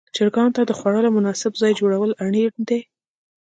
چرګانو ته د خوړلو مناسب ځای جوړول اړین دي.